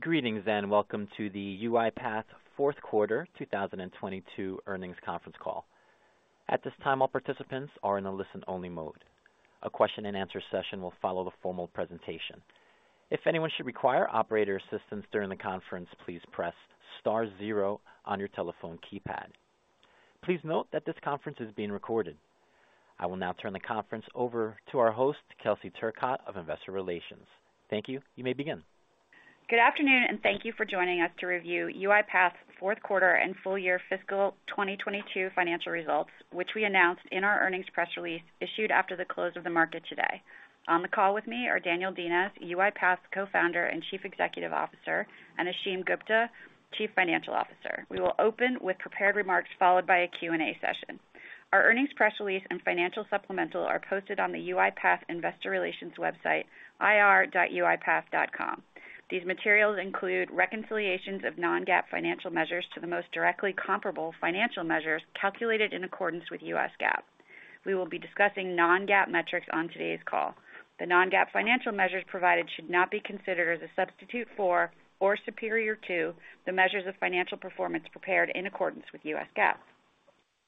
Greetings, and welcome to the UiPath Fourth Quarter 2022 Earnings Conference Call. At this time, all participants are in a listen-only mode. A question and answer session will follow the formal presentation. If anyone should require operator assistance during the conference, please press star zero on your telephone keypad. Please note that this conference is being recorded. I will now turn the conference over to our host, Kelsey Turcotte of Investor Relations. Thank you. You may begin. Good afternoon, and thank you for joining us to review UiPath's fourth quarter and full-year fiscal 2022 financial results, which we announced in our earnings press release issued after the close of the market today. On the call with me are Daniel Dines, UiPath's Co-Founder and Chief Executive Officer, and Ashim Gupta, Chief Financial Officer. We will open with prepared remarks, followed by a Q&A session. Our earnings press release and financial supplemental are posted on the UiPath investor relations website, ir.uipath.com. These materials include reconciliations of non-GAAP financial measures to the most directly comparable financial measures calculated in accordance with U.S. GAAP. We will be discussing non-GAAP metrics on today's call. The non-GAAP financial measures provided should not be considered as a substitute for or superior to the measures of financial performance prepared in accordance with U.S. GAAP.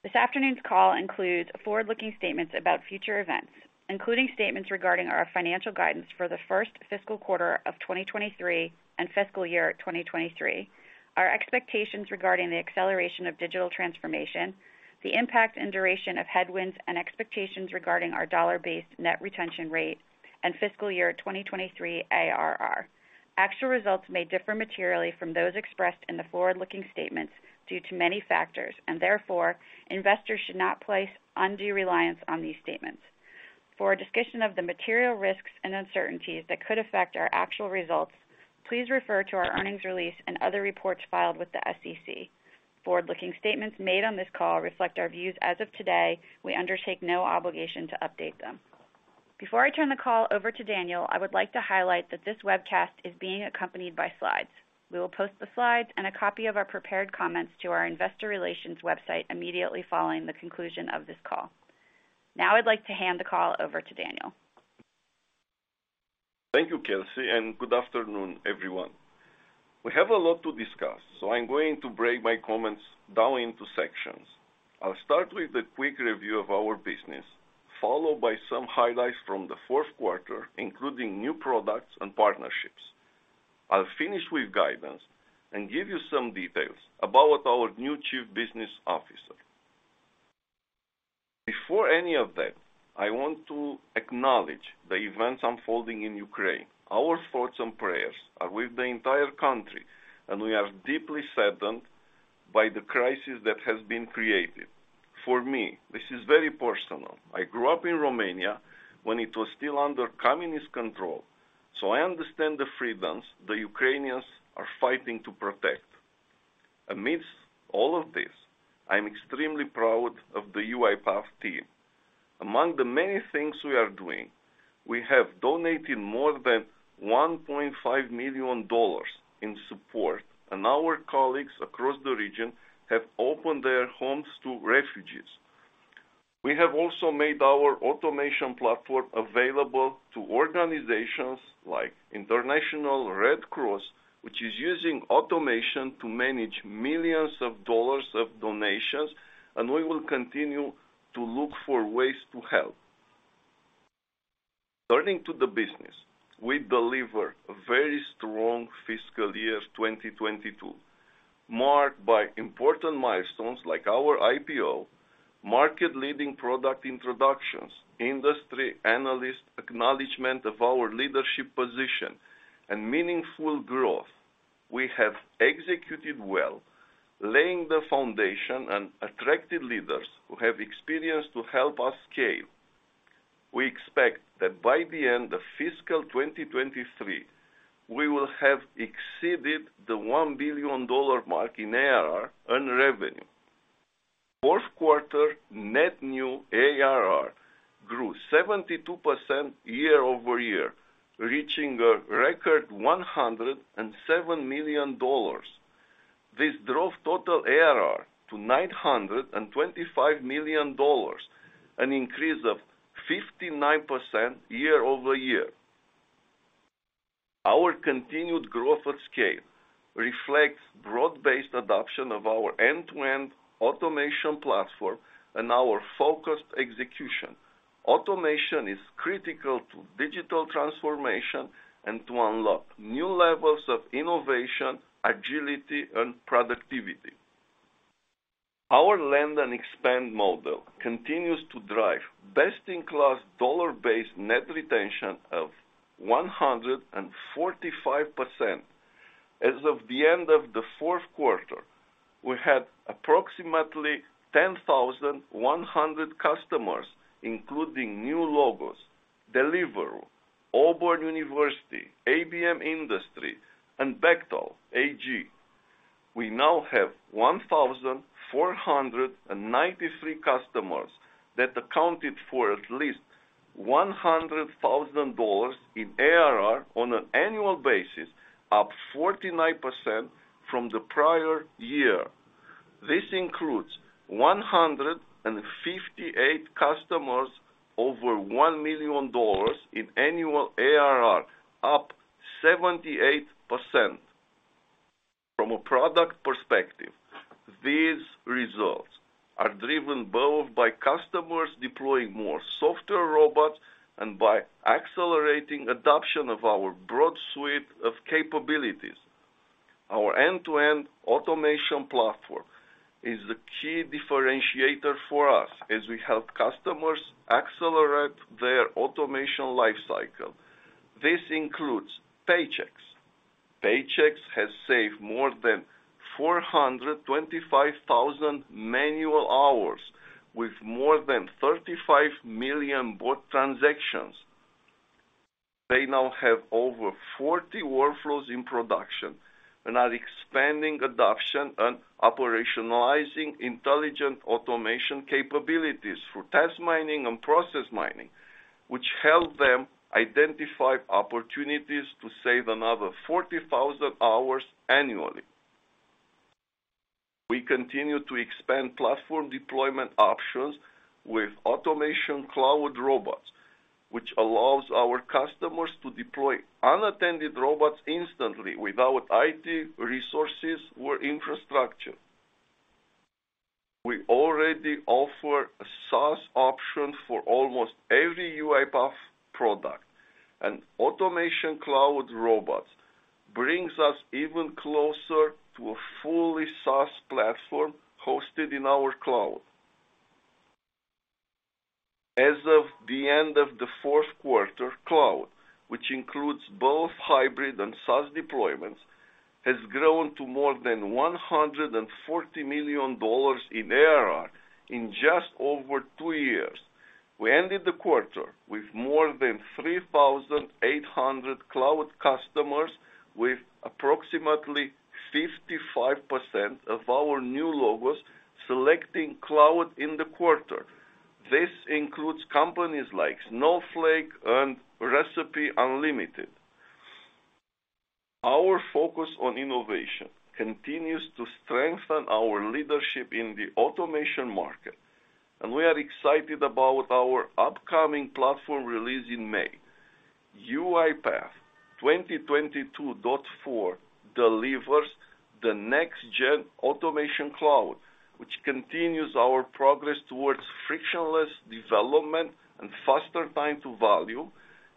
This afternoon's call includes forward-looking statements about future events, including statements regarding our financial guidance for the first fiscal quarter of 2023 and fiscal year 2023, our expectations regarding the acceleration of digital transformation, the impact and duration of headwinds and expectations regarding our dollar-based net retention rate in fiscal year 2023 ARR. Actual results may differ materially from those expressed in the forward-looking statements due to many factors, and therefore, investors should not place undue reliance on these statements. For a discussion of the material risks and uncertainties that could affect our actual results, please refer to our earnings release and other reports filed with the SEC. Forward-looking statements made on this call reflect our views as of today. We undertake no obligation to update them. Before I turn the call over to Daniel, I would like to highlight that this webcast is being accompanied by slides. We will post the slides and a copy of our prepared comments to our investor relations website immediately following the conclusion of this call. Now I'd like to hand the call over to Daniel. Thank you, Kelsey, and good afternoon, everyone. We have a lot to discuss, so I'm going to break my comments down into sections. I'll start with a quick review of our business, followed by some highlights from the fourth quarter, including new products and partnerships. I'll finish with guidance and give you some details about our new Chief Business Officer. Before any of that, I want to acknowledge the events unfolding in Ukraine. Our thoughts and prayers are with the entire country, and we are deeply saddened by the crisis that has been created. For me, this is very personal. I grew up in Romania when it was still under communist control, so I understand the freedoms the Ukrainians are fighting to protect. Amidst all of this, I'm extremely proud of the UiPath team. Among the many things we are doing, we have donated more than $1.5 million in support, and our colleagues across the region have opened their homes to refugees. We have also made our automation platform available to organizations like International Red Cross, which is using automation to manage millions of dollars of donations, and we will continue to look for ways to help. Turning to the business, we deliver a very strong fiscal year 2022, marked by important milestones like our IPO, market-leading product introductions, industry analyst acknowledgment of our leadership position, and meaningful growth. We have executed well, laying the foundation and attracted leaders who have experience to help us scale. We expect that by the end of fiscal 2023, we will have exceeded the $1 billion mark in ARR and revenue. Fourth quarter net new ARR grew 72% year over year, reaching a record $107 million. This drove total ARR to $925 million, an increase of 59% year over year. Our continued growth of scale reflects broad-based adoption of our end-to-end automation platform and our focused execution. Automation is critical to digital transformation and to unlock new levels of innovation, agility, and productivity. Our land and expand model continues to drive best-in-class dollar-based net retention of 145%. As of the end of the fourth quarter, we had approximately 10,100 customers, including new logos, Deliveroo, Auburn University, ABM Industries, and Bechtel AG. We now have 1,493 customers that accounted for at least $100,000 in ARR on an annual basis, up 49% from the prior year. This includes 158 customers over $1 million in annual ARR, up 78%. From a product perspective, these results are driven both by customers deploying more software robots and by accelerating adoption of our broad suite of capabilities. Our end-to-end automation platform is the key differentiator for us as we help customers accelerate their automation life cycle. This includes Paychex. Paychex has saved more than 425,000 manual hours with more than 35 million bot transactions. They now have over 40 workflows in production and are expanding adoption and operationalizing intelligent automation capabilities through Task Mining and Process Mining, which help them identify opportunities to save another 40,000 hours annually. We continue to expand platform deployment options with Automation Cloud Robots, which allows our customers to deploy unattended robots instantly without IT resources or infrastructure. We already offer a SaaS option for almost every UiPath product. Automation Cloud Robots brings us even closer to a fully SaaS platform hosted in our Cloud. As of the end of the fourth quarter, Cloud, which includes both hybrid and SaaS deployments, has grown to more than $140 million in ARR in just over two years. We ended the quarter with more than 3,800 Cloud customers with approximately 55% of our new logos selecting Cloud in the quarter. This includes companies like Snowflake and Recipe Unlimited. Our focus on innovation continues to strengthen our leadership in the automation market, and we are excited about our upcoming platform release in May. UiPath 2022.4 delivers the next-gen Automation Cloud, which continues our progress towards frictionless development and faster time to value,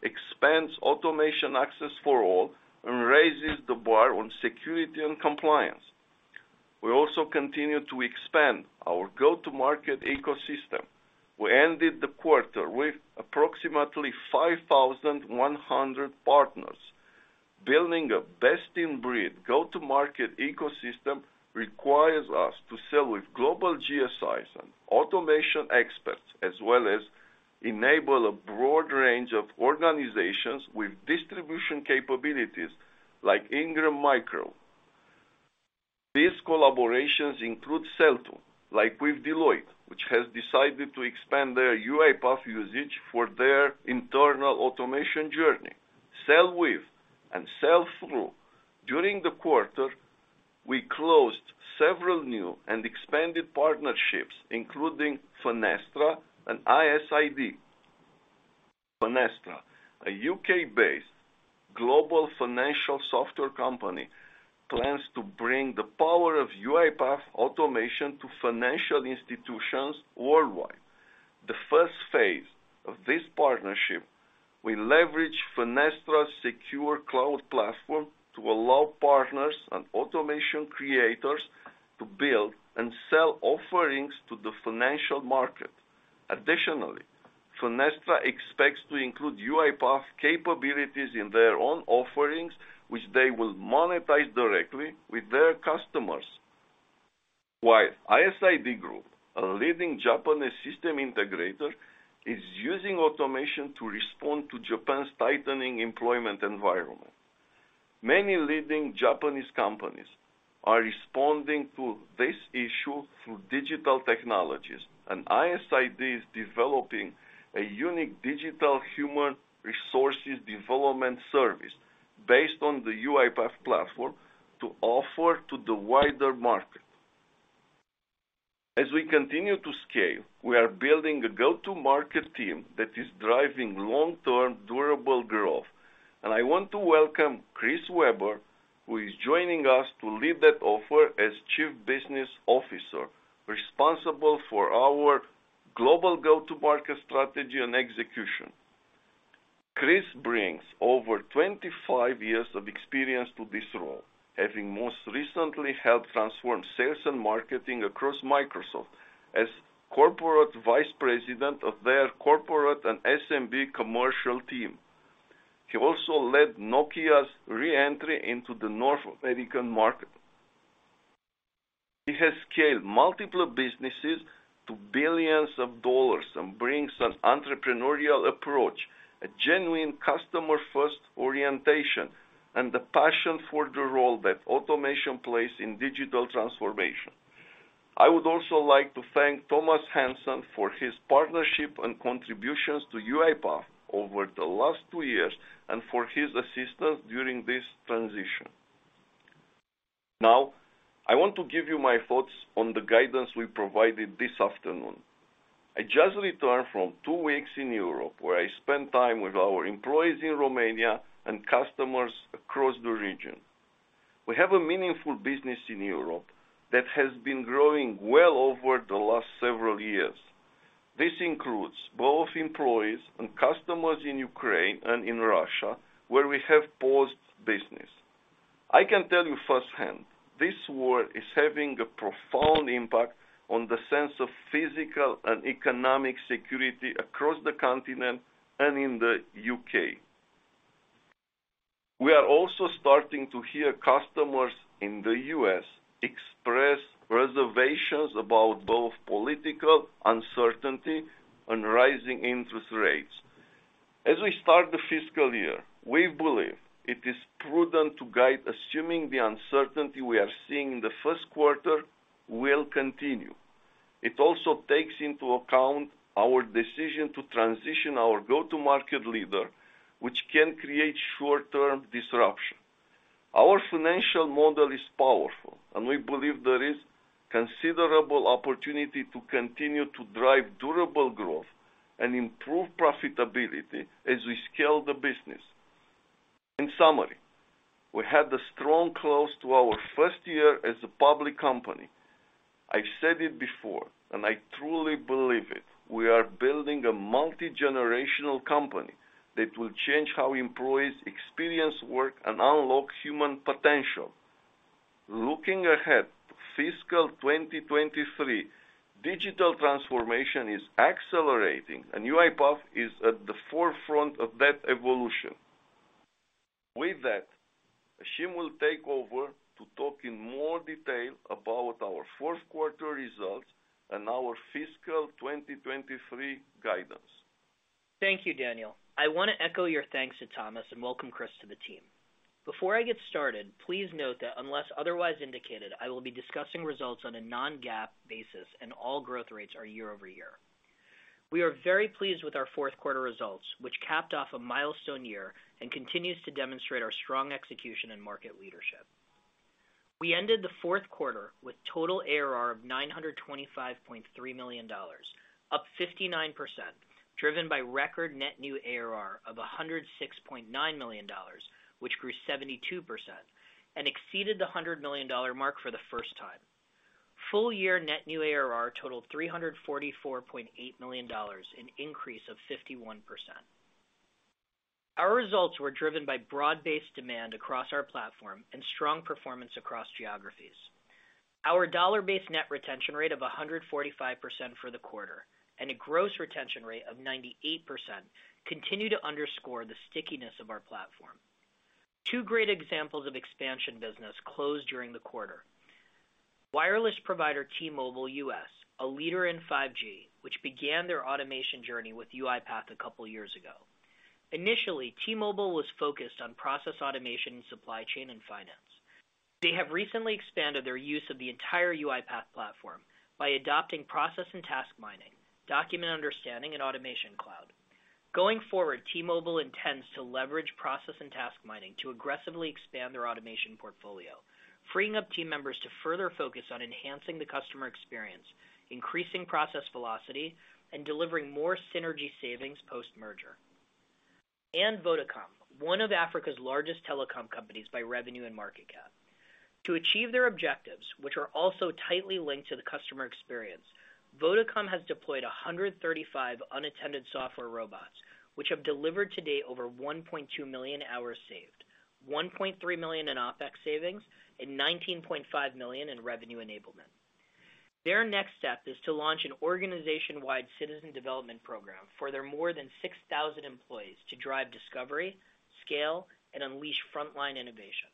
expands automation access for all, and raises the bar on security and compliance. We also continue to expand our go-to-market ecosystem. We ended the quarter with approximately 5,100 partners. Building a best-in-breed go-to-market ecosystem requires us to sell with global GSIs and automation experts, as well as enable a broad range of organizations with distribution capabilities like Ingram Micro. These collaborations include sell-to, like with Deloitte, which has decided to expand their UiPath usage for their internal automation journey. Sell with and sell through. During the quarter, we closed several new and expanded partnerships, including Finastra and ISID. Finastra, a U.K.-based global financial software company, plans to bring the power of UiPath automation to financial institutions worldwide. The first phase of this partnership will leverage Finastra's secure Cloud platform to allow partners and automation creators to build and sell offerings to the financial market. Additionally, Finastra expects to include UiPath capabilities in their own offerings, which they will monetize directly with their customers. ISID Group, a leading Japanese System Integrator, is using automation to respond to Japan's tightening employment environment. Many leading Japanese companies are responding to this issue through digital technologies, and ISID is developing a unique Digital Human Resources Development Service based on the UiPath platform to offer to the wider market. As we continue to scale, we are building a go-to-market team that is driving long-term, durable growth, and I want to welcome Chris Weber, who is joining us to lead that effort as Chief Business Officer, responsible for our global go-to-market strategy and execution. Chris brings over 25 years of experience to this role, having most recently helped transform sales and marketing across Microsoft as Corporate Vice President of their corporate and SMB commercial team. He also led Nokia's re-entry into the North American market. He has scaled multiple businesses to billions of dollars and brings an entrepreneurial approach, a genuine customer-first orientation, and the passion for the role that automation plays in digital transformation. I would also like to thank Thomas Hansen for his partnership and contributions to UiPath over the last two years and for his assistance during this transition. Now, I want to give you my thoughts on the guidance we provided this afternoon. I just returned from two weeks in Europe, where I spent time with our employees in Romania and customers across the region. We have a meaningful business in Europe that has been growing well over the last several years. This includes both employees and customers in Ukraine and in Russia, where we have paused business. I can tell you firsthand, this war is having a profound impact on the sense of physical and economic security across the continent and in the U.K. We are also starting to hear customers in the U.S. express reservations about both political uncertainty and rising interest rates. As we start the fiscal year, we believe it is prudent to guide, assuming the uncertainty we are seeing in the first quarter will continue. It also takes into account our decision to transition our go-to-market leader, which can create short-term disruption. Our financial model is powerful, and we believe there is considerable opportunity to continue to drive durable growth and improve profitability as we scale the business. In summary, we had a strong close to our first year as a public company. I've said it before, and I truly believe it. We are building a multi-generational company that will change how employees experience work and unlock human potential. Looking ahead to fiscal 2023, digital transformation is accelerating, and UiPath is at the forefront of that evolution. With that, Ashim will take over to talk in more detail about our fourth quarter results and our fiscal 2023 guidance. Thank you, Daniel. I want to echo your thanks to Thomas and welcome Chris to the team. Before I get started, please note that unless otherwise indicated, I will be discussing results on a non-GAAP basis, and all growth rates are year-over-year. We are very pleased with our fourth quarter results, which capped off a milestone year and continues to demonstrate our strong execution and market leadership. We ended the fourth quarter with total ARR of $925.3 million, up 59%, driven by record net new ARR of $106.9 million, which grew 72% and exceeded the $100 million mark for the first time. Full-year net new ARR totaled $344.8 million, an increase of 51%. Our results were driven by broad-based demand across our platform and strong performance across geographies. Our dollar-based net retention rate of 145% for the quarter, and a gross retention rate of 98% continue to underscore the stickiness of our platform. Two great examples of expansion business closed during the quarter. Wireless provider T-Mobile U.S., a leader in 5G, which began their automation journey with UiPath a couple years ago. Initially, T-Mobile was focused on process automation in supply chain and finance. They have recently expanded their use of the entire UiPath platform by adopting Process Mining and Task Mining, Document Understanding and Automation Cloud. Going forward, T-Mobile intends to leverage Process Mining and Task Mining to aggressively expand their automation portfolio, freeing up team members to further focus on enhancing the customer experience, increasing process velocity, and delivering more synergy savings post-merger. Vodacom, one of Africa's largest telecom companies by revenue and market cap. To achieve their objectives, which are also tightly linked to the customer experience, Vodacom has deployed 135 unattended software robots, which have delivered to date over 1.2 million hours saved, $1.3 million in OpEx savings, and $19.5 million in revenue enablement. Their next step is to launch an organization-wide citizen development program for their more than 6,000 employees to drive discovery, scale, and unleash frontline innovation.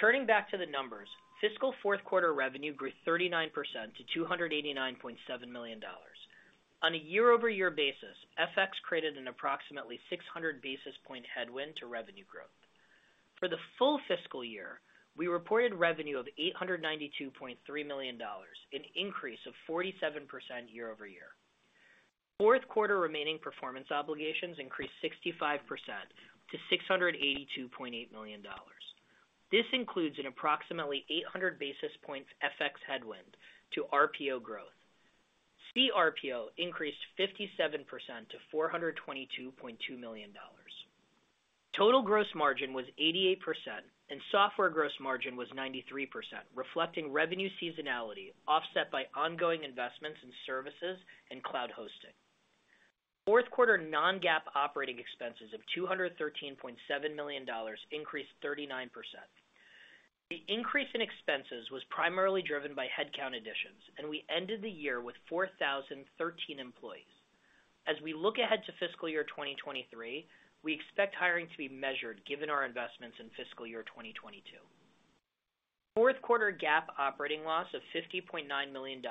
Turning back to the numbers, fiscal fourth quarter revenue grew 39% to $289.7 million. On a year-over-year basis, FX created an approximately 600 basis point headwind to revenue growth. For the full fiscal year, we reported revenue of $892.3 million, an increase of 47% year over year. Fourth quarter remaining performance obligations increased 65% to $682.8 million. This includes an approximately 800 basis points FX headwind to RPO growth. CRPO increased 57% to $422.2 million. Total gross margin was 88%, and software gross margin was 93%, reflecting revenue seasonality offset by ongoing investments in services and Cloud hosting. Fourth quarter non-GAAP operating expenses of $213.7 million increased 39%. The increase in expenses was primarily driven by headcount additions, and we ended the year with 4,013 employees. As we look ahead to fiscal year 2023, we expect hiring to be measured given our investments in fiscal year 2022. Fourth quarter GAAP operating loss of $50.9 million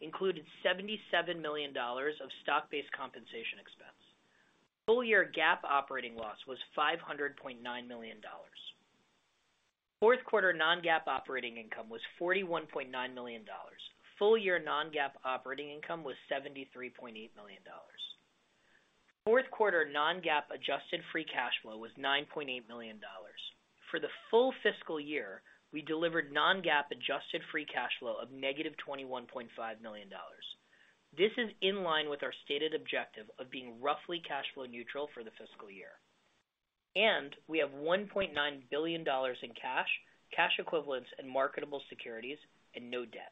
included $77 million of stock-based compensation expense. Full-year GAAP operating loss was $500.9 million. Fourth quarter non-GAAP operating income was $41.9 million. Full-year non-GAAP operating income was $73.8 million. Fourth quarter non-GAAP adjusted free cash flow was $9.8 million. For the full fiscal year, we delivered non-GAAP adjusted free cash flow of negative $21.5 million. This is in line with our stated objective of being roughly cash flow neutral for the fiscal year. We have $1.9 billion in cash equivalents, and marketable securities and no debt.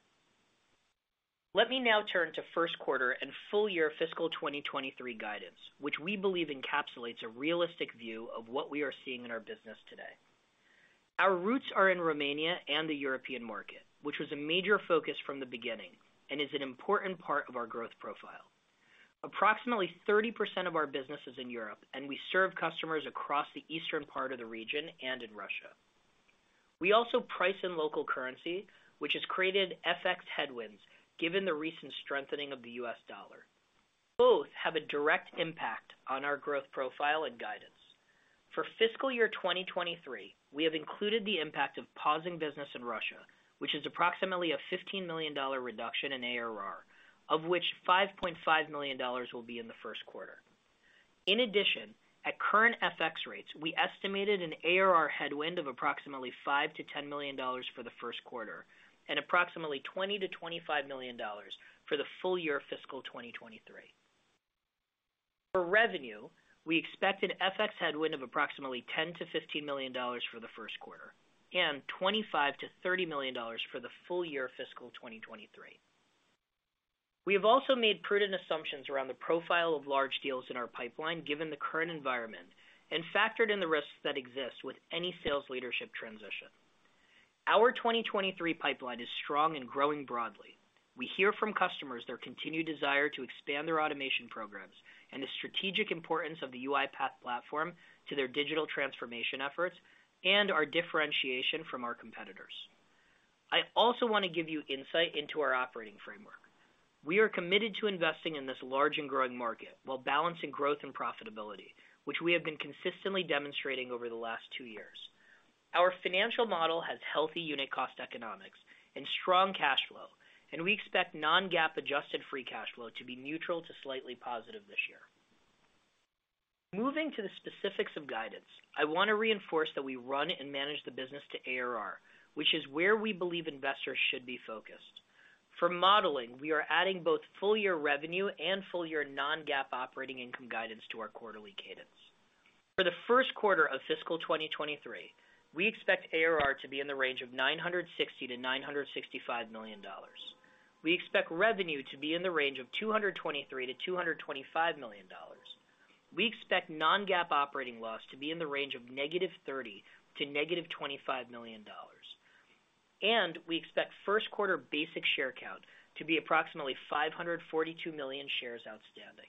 Let me now turn to first quarter and full-year fiscal 2023 guidance, which we believe encapsulates a realistic view of what we are seeing in our business today. Our roots are in Romania and the European market, which was a major focus from the beginning and is an important part of our growth profile. Approximately 30% of our business is in Europe, and we serve customers across the eastern part of the region and in Russia. We also price in local currency, which has created FX headwinds given the recent strengthening of the U.S. dollar. Both have a direct impact on our growth profile and guidance. For fiscal year 2023, we have included the impact of pausing business in Russia, which is approximately a $15 million reduction in ARR, of which $5.5 million will be in the first quarter. In addition, at current FX rates, we estimated an ARR headwind of approximately $5 million-$10 million for the first quarter and approximately $20 million-$25 million for the full-year fiscal 2023. For revenue, we expect an FX headwind of approximately $10 million-$15 million for the first quarter and $25 million-$30 million for the full-year fiscal 2023. We have also made prudent assumptions around the profile of large deals in our pipeline, given the current environment, and factored in the risks that exist with any sales leadership transition. Our 2023 pipeline is strong and growing broadly. We hear from customers their continued desire to expand their automation programs and the strategic importance of the UiPath platform to their digital transformation efforts and our differentiation from our competitors. I also want to give you insight into our operating framework. We are committed to investing in this large and growing market while balancing growth and profitability, which we have been consistently demonstrating over the last two years. Our financial model has healthy unit cost economics and strong cash flow, and we expect non-GAAP adjusted free cash flow to be neutral to slightly positive this year. Moving to the specifics of guidance, I want to reinforce that we run and manage the business to ARR, which is where we believe investors should be focused. For modeling, we are adding both full-year revenue and full-year non-GAAP operating income guidance to our quarterly cadence. For the first quarter of fiscal 2023, we expect ARR to be in the range of $960 million-$965 million. We expect revenue to be in the range of $223 million-$225 million. We expect non-GAAP operating loss to be in the range of -$30 million to -$25 million. We expect first quarter basic share count to be approximately 542 million shares outstanding.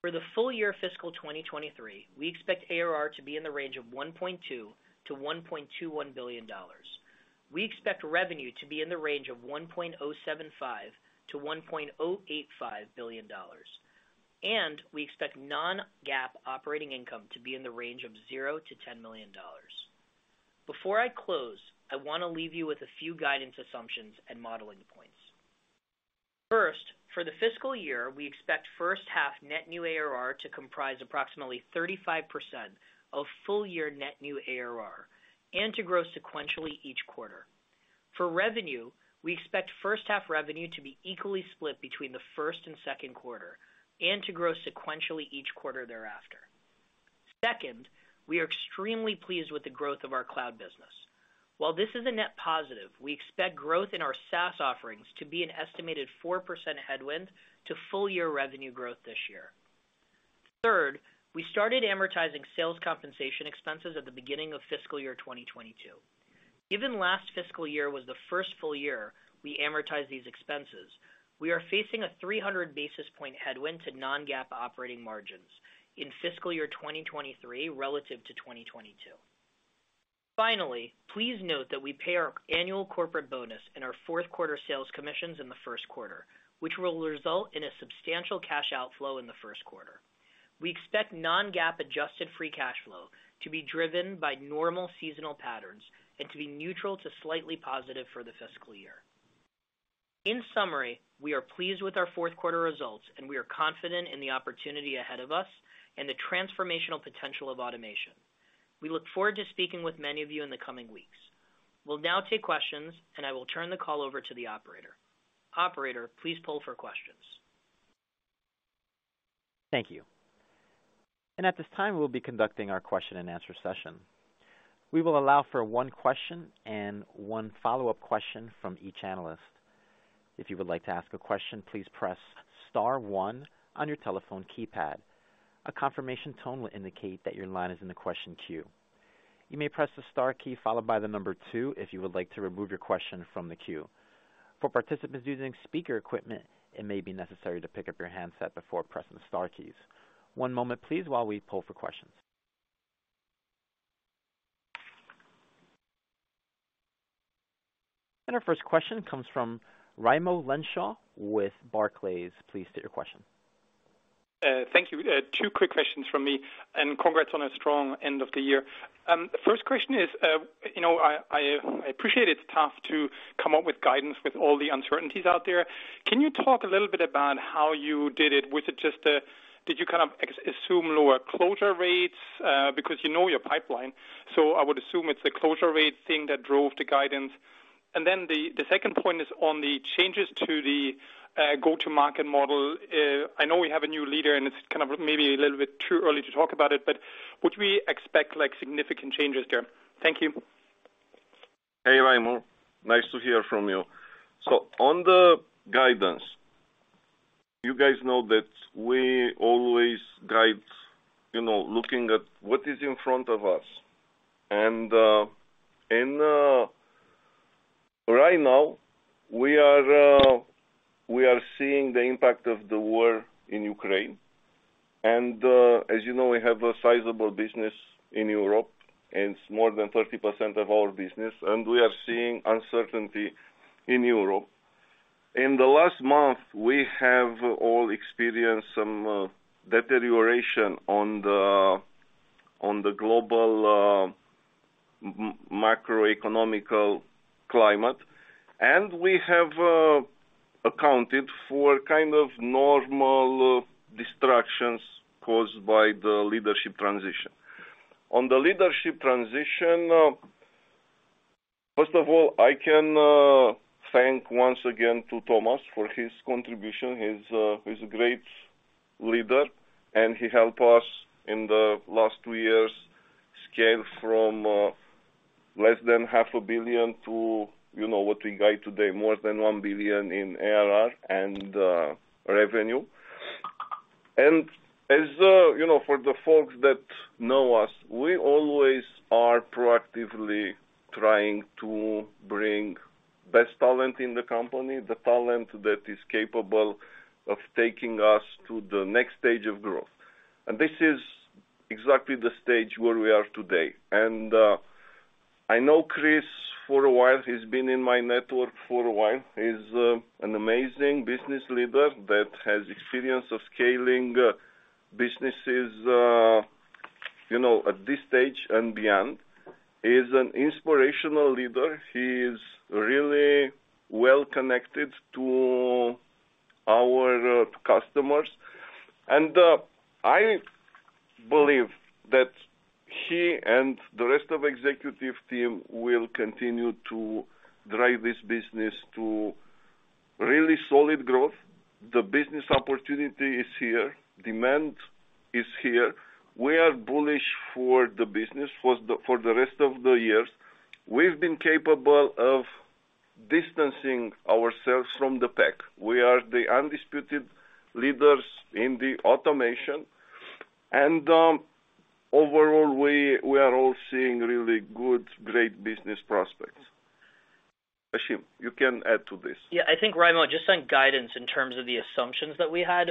For the full-year fiscal 2023, we expect ARR to be in the range of $1.2 billion-$1.21 billion. We expect revenue to be in the range of $1.075 billion-$1.085 billion, and we expect non-GAAP operating income to be in the range of $0-$10 million. Before I close, I want to leave you with a few guidance assumptions and modeling points. First, for the fiscal year, we expect first half net new ARR to comprise approximately 35% of full-year net new ARR and to grow sequentially each quarter. For revenue, we expect first half revenue to be equally split between the first and second quarter and to grow sequentially each quarter thereafter. Second, we are extremely pleased with the growth of our Cloud business. While this is a net positive, we expect growth in our SaaS offerings to be an estimated 4% headwind to full-year revenue growth this year. Third, we started amortizing sales compensation expenses at the beginning of fiscal year 2022. Given last fiscal year was the first full-year we amortized these expenses, we are facing a 300 basis point headwind to non-GAAP operating margins in fiscal year 2023 relative to 2022. Finally, please note that we pay our annual corporate bonus and our fourth quarter sales commissions in the first quarter, which will result in a substantial cash outflow in the first quarter. We expect non-GAAP adjusted free cash flow to be driven by normal seasonal patterns and to be neutral to slightly positive for the fiscal year. In summary, we are pleased with our fourth quarter results, and we are confident in the opportunity ahead of us and the transformational potential of automation. We look forward to speaking with many of you in the coming weeks. We'll now take questions, and I will turn the call over to the operator. Operator, please poll for questions. Thank you. At this time, we'll be conducting our question and answer session. We will allow for one question and one follow-up question from each analyst. If you would like to ask a question, please press star one on your telephone keypad. A confirmation tone will indicate that your line is in the question queue. You may press the star key followed by the number two if you would like to remove your question from the queue. For participants using speaker equipment, it may be necessary to pick up your handset before pressing the star keys. One moment please while we poll for questions. Our first question comes from Raimo Lenschow with Barclays. Please state your question. Thank you. Two quick questions from me, and congrats on a strong end of the year. First question is, you know, I appreciate it's tough to come up with guidance with all the uncertainties out there. Can you talk a little bit about how you did it? Was it just... Did you kind of assume lower closure rates, because you know your pipeline, so I would assume it's the closure rate thing that drove the guidance. Then the second point is on the changes to the go-to-market model. I know we have a new leader, and it's kind of maybe a little bit too early to talk about it, but would we expect, like, significant changes there? Thank you. Hey, Raimo. Nice to hear from you. On the guidance, you guys know that we always guide, you know, looking at what is in front of us. Right now, we are seeing the impact of the war in Ukraine. As you know, we have a sizable business in Europe, and it's more than 30% of our business, and we are seeing uncertainty in Europe. In the last month, we have all experienced some deterioration on the global macroeconomic climate, and we have accounted for kind of normal distractions caused by the leadership transition. On the leadership transition, first of all, I can thank once again to Thomas for his contribution. He's a great leader, and he helped us in the last two years scale from less than half a billion to, you know, what we guide today, more than $1 billion in ARR and revenue. As you know, for the folks that know us, we always are proactively trying to bring best talent in the company, the talent that is capable of taking us to the next stage of growth. This is exactly the stage where we are today. I know Chris for a while. He's been in my network for a while. He's an amazing business leader that has experience of scaling businesses, you know, at this stage and beyond. He's an inspirational leader. He is really well connected to our customers. I believe that he and the rest of executive team will continue to drive this business to really solid growth. The business opportunity is here. Demand is here. We are bullish for the business for the rest of the years. We've been capable of distancing ourselves from the pack. We are the undisputed leaders in the automation. Overall, we are all seeing really good, great business prospects. Ashim, you can add to this. I think, Raimo, just on guidance in terms of the assumptions that we had,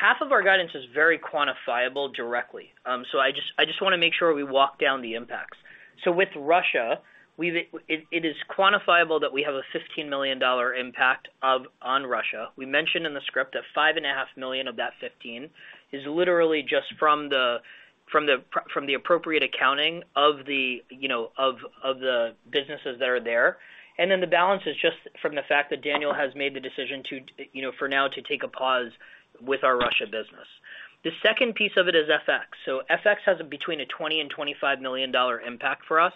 half of our guidance is very quantifiable directly. I just want to make sure we walk down the impacts. With Russia, it is quantifiable that we have a $15 million impact on Russia. We mentioned in the script that $5.5 million of that $15 million is literally just from the appropriate accounting of the, you know, of the businesses that are there. The balance is just from the fact that Daniel has made the decision to, you know, for now to take a pause with our Russia business. The second piece of it is FX. FX has between a $20 million and $25 million impact for us.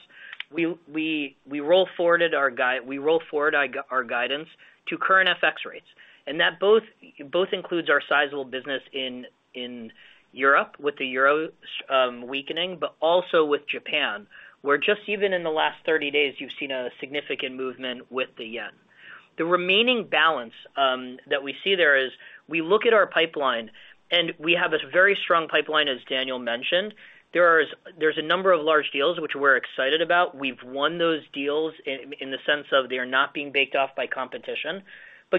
We roll forward our guidance to current FX rates. That includes our sizable business in Europe with the euro weakening, but also with Japan, where just even in the last 30 days, you've seen a significant movement with the yen. The remaining balance that we see there is we look at our pipeline, and we have a very strong pipeline, as Daniel mentioned. There's a number of large deals which we're excited about. We've won those deals in the sense of they're not being baked off by competition.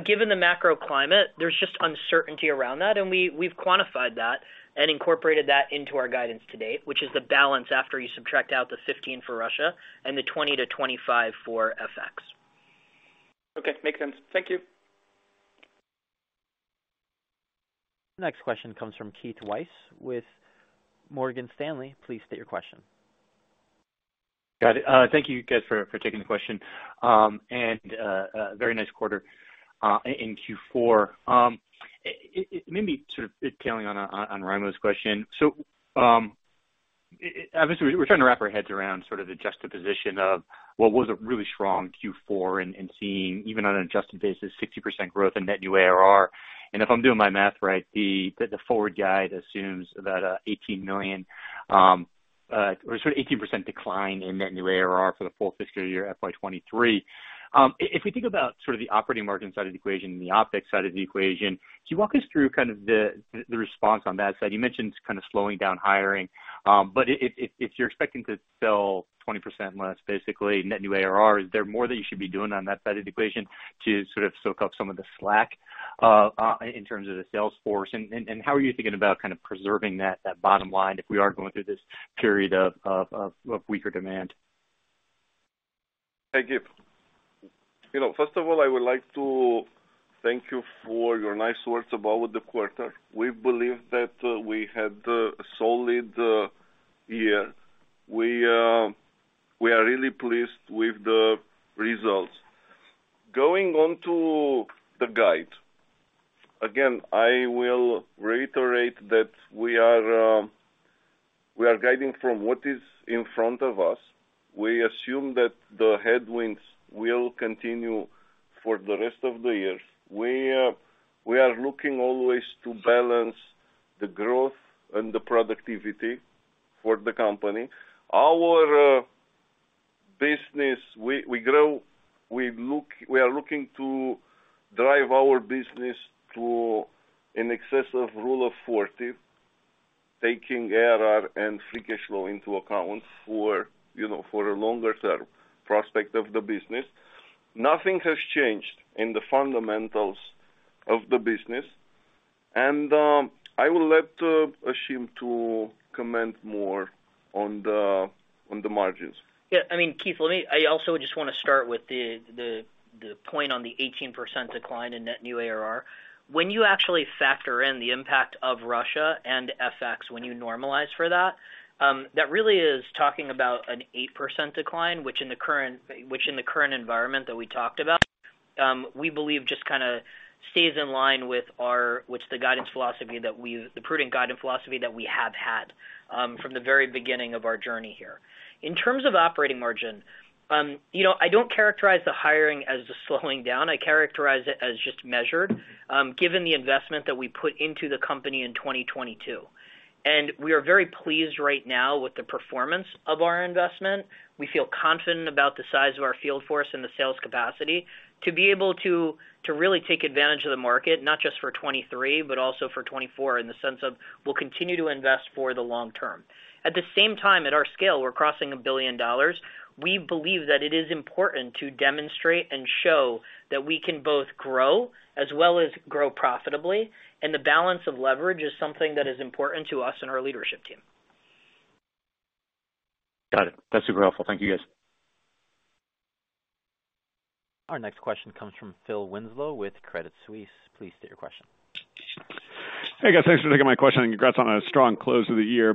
Given the macro climate, there's just uncertainty around that, and we've quantified that and incorporated that into our guidance to date, which is the balance after you subtract out the $15 million for Russia and the $20 million-$25 million for FX. Okay. Makes sense. Thank you. Next question comes from Keith Weiss with Morgan Stanley. Please state your question. Got it. Thank you guys for taking the question. A very nice quarter in Q4. Maybe sort of tailing on Raimo's question. Obviously, we're trying to wrap our heads around sort of the juxtaposition of what was a really strong Q4 and seeing, even on an adjusted basis, 60% growth in net new ARR. If I'm doing my math right, the forward guide assumes about $18 million or sorry, 18% decline in net new ARR for the full fiscal year FY 2023. If we think about sort of the operating margin side of the equation and the OpEx side of the equation, can you walk us through kind of the response on that side? You mentioned kind of slowing down hiring. If you're expecting to sell 20% less basically net new ARR, is there more that you should be doing on that side of the equation to sort of soak up some of the slack in terms of the sales force? How are you thinking about kind of preserving that bottom line if we are going through this period of weaker demand? Thank you. You know, first of all, I would like to thank you for your nice words about the quarter. We believe that we had a solid year. We are really pleased with the results. Going on to the guide. Again, I will reiterate that we are guiding from what is in front of us. We assume that the headwinds will continue for the rest of the year. We are looking always to balance the growth and the productivity for the company. Our business, we grow. We are looking to drive our business to in excess of Rule of 40, taking ARR and free cash flow into account for a longer term prospect of the business. Nothing has changed in the fundamentals of the business. I will let Ashim comment more on the margins. Yeah, I mean, Keith, let me, I also just want to start with the point on the 18% decline in net new ARR. When you actually factor in the impact of Russia and FX, when you normalize for that really is talking about an 8% decline, which in the current environment that we talked about, we believe just kinda stays in line with our prudent guidance philosophy that we have had from the very beginning of our journey here. In terms of operating margin, you know, I don't characterize the hiring as a slowing down. I characterize it as just measured, given the investment that we put into the company in 2022. We are very pleased right now with the performance of our investment. We feel confident about the size of our field force and the sales capacity to be able to really take advantage of the market, not just for 2023, but also for 2024, in the sense of we'll continue to invest for the long term. At the same time, at our scale, we're crossing $1 billion. We believe that it is important to demonstrate and show that we can both grow as well as grow profitably, and the balance of leverage is something that is important to us and our leadership team. Got it. That's super helpful. Thank you, guys. Our next question comes from Phil Winslow with Credit Suisse. Please state your question. Hey, guys. Thanks for taking my question, and congrats on a strong close of the year.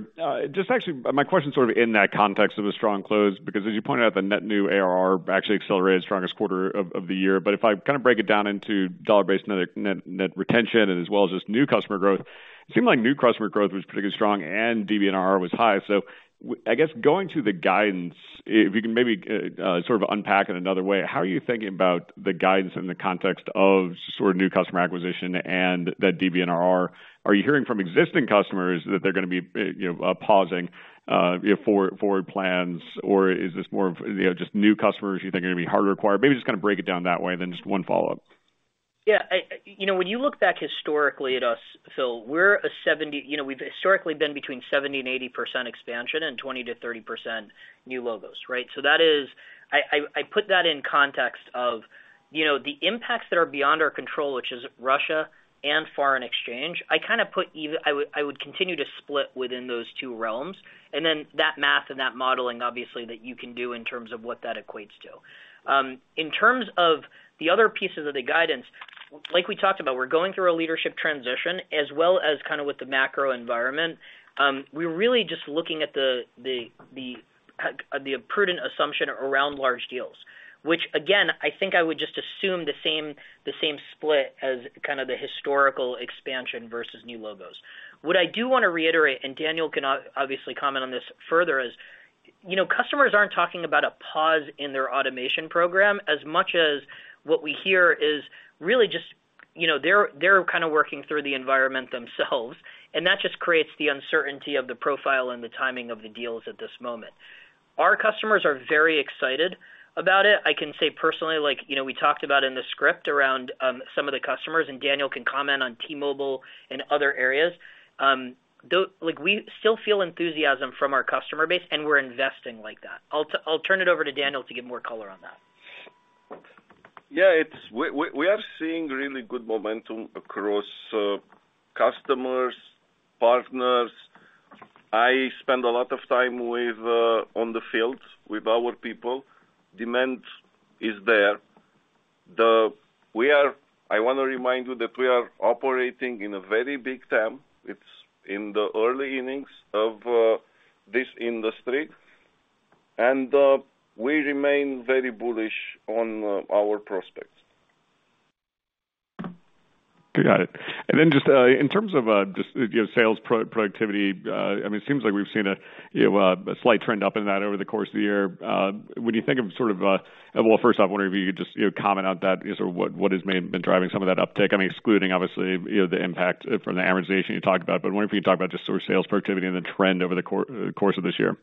Just actually, my question sort of in that context of a strong close, because as you pointed out, the net new ARR actually accelerated strongest quarter of the year. If I kinda break it down into dollar-based net retention and as well as just new customer growth, it seemed like new customer growth was pretty strong and DBNRR was high. I guess going to the guidance, if you can maybe sort of unpack in another way, how are you thinking about the guidance in the context of sort of new customer acquisition and that DBNRR? Are you hearing from existing customers that they're going to be, you know, pausing, you know, forward plans, or is this more of, you know, just new customers you think are going to be harder to acquire? Maybe just kinda break it down that way, and then just one follow-up. You know, when you look back historically at us, Phil, you know, we've historically been between 70% and 80% expansion and 20%-30% new logos, right? I put that in context of, you know, the impacts that are beyond our control, which is Russia and foreign exchange. I would continue to split within those two realms. That math and that modeling, obviously, that you can do in terms of what that equates to. In terms of the other pieces of the guidance, like we talked about, we're going through a leadership transition as well as kinda with the macro environment. We're really just looking at the prudent assumption around large deals, which again, I think I would just assume the same split as kind of the historical expansion versus new logos. What I do want to reiterate, and Daniel can obviously comment on this further, is, you know, customers aren't talking about a pause in their automation program as much as what we hear is really just, you know, they're kinda working through the environment themselves, and that just creates the uncertainty of the profile and the timing of the deals at this moment. Our customers are very excited about it. I can say personally, like, you know, we talked about in the script around some of the customers, and Daniel can comment on T-Mobile and other areas. Like, we still feel enthusiasm from our customer base, and we're investing like that. I'll turn it over to Daniel to give more color on that. Yeah, it's. We are seeing really good momentum across customers, partners. I spend a lot of time with our people in the field. Demand is there. We are operating in a very big TAM. It's in the early innings of this industry, and we remain very bullish on our prospects. Got it. Just in terms of just, you know, sales productivity, I mean, it seems like we've seen a, you know, a slight trend up in that over the course of the year. When you think of sort of, well, first off, I wonder if you could just, you know, comment on that. You know, sort of what has been driving some of that uptick? I mean, excluding obviously, you know, the impact from the amortization you talked about, I wonder if you could talk about just sort of sales productivity and the trend over the course of this year.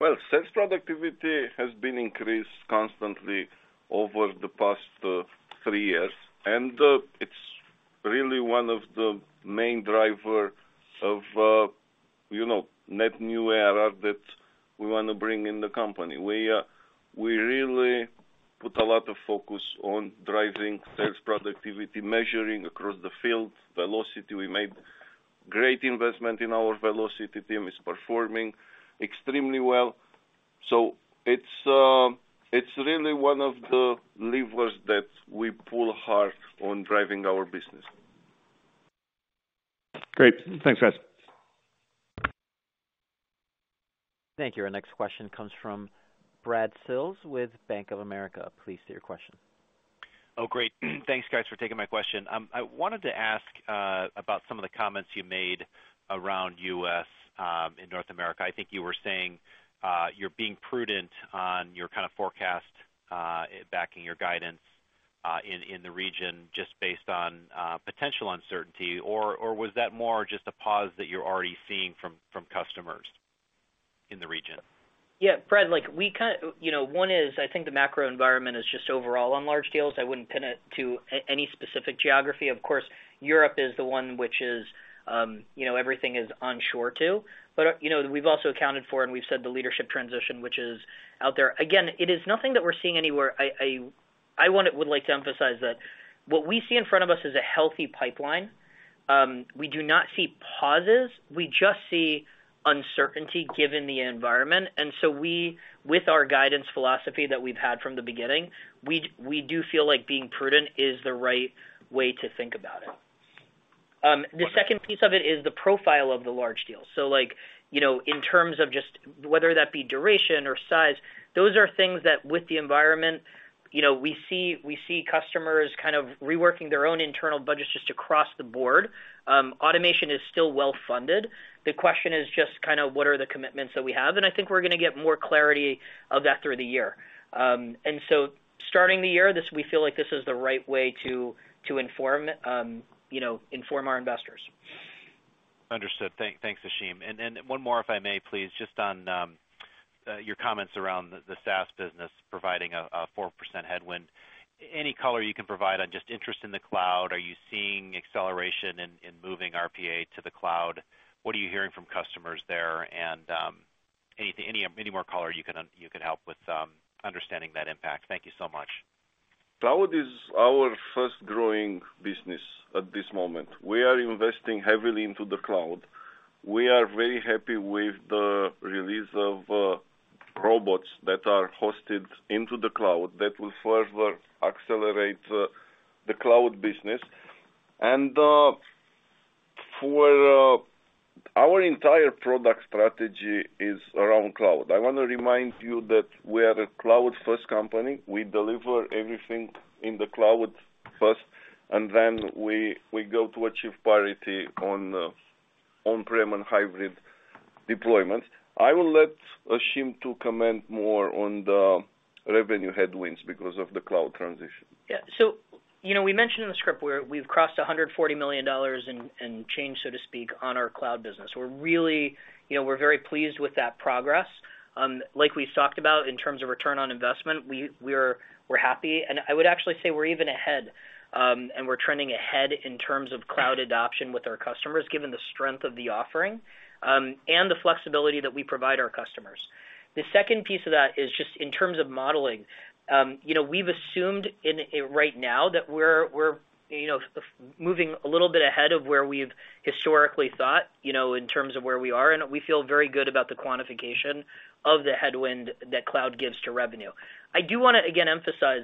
Well, sales productivity has been increased constantly over the past three years, and it's really one of the main driver of you know, net new ARR that we want to bring in the company. We really put a lot of focus on driving sales productivity, measuring across the field velocity. We made great investment in our velocity team, is performing extremely well. It's really one of the levers that we pull hard on driving our business. Great. Thanks, guys. Thank you. Our next question comes from Brad Sills with Bank of America. Please state your question. Oh, great. Thanks guys for taking my question. I wanted to ask about some of the comments you made around U.S. in North America. I think you were saying you're being prudent on your kind of forecast backing your guidance in the region just based on potential uncertainty. Or was that more just a pause that you're already seeing from customers in the region? Yeah, Brad, like, you know, one is I think the macro environment is just overall on large deals. I wouldn't pin it to any specific geography. Of course, Europe is the one which is, you know, everything is unsure too. But, you know, we've also accounted for and we've said the leadership transition, which is out there. Again, it is nothing that we're seeing anywhere. I would like to emphasize that what we see in front of us is a healthy pipeline. We do not see pauses. We just see uncertainty given the environment. We, with our guidance philosophy that we've had from the beginning, do feel like being prudent is the right way to think about it. The second piece of it is the profile of the large deals. Like, you know, in terms of just whether that be duration or size, those are things that with the environment, you know, we see customers kind of reworking their own internal budgets just across the board. Automation is still well-funded. The question is just kind of what are the commitments that we have, and I think we're going to get more clarity of that through the year. Starting the year, we feel like this is the right way to inform, you know, our investors. Understood. Thanks, Ashim. One more if I may please, just on your comments around the SaaS business providing a 4% headwind. Any color you can provide on just interest in the Cloud, are you seeing acceleration in moving RPA to the Cloud? What are you hearing from customers there? Any more color you can help with understanding that impact. Thank you so much. Cloud is our fastest growing business at this moment. We are investing heavily into the Cloud. We are very happy with the release of robots that are hosted into the Cloud that will further accelerate the Cloud business. Our entire product strategy is around Cloud. I want to remind you that we are a Cloud-first company. We deliver everything in the Cloud first, and then we go to achieve parity on on-prem and hybrid deployments. I will let Ashim comment more on the revenue headwinds because of the Cloud transition. Yeah. You know, we mentioned in the script we've crossed $140 million and change, so to speak, on our Cloud business. We're really, you know, we're very pleased with that progress. Like we've talked about in terms of return on investment, we're happy. I would actually say we're even ahead, and we're trending ahead in terms of Cloud adoption with our customers, given the strength of the offering, and the flexibility that we provide our customers. The second piece of that is just in terms of modeling. You know, we've assumed in right now that we're moving a little bit ahead of where we've historically thought, you know, in terms of where we are, and we feel very good about the quantification of the headwind that Cloud gives to revenue. I do want to again emphasize,